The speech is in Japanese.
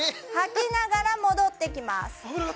吐きながら戻ってきます。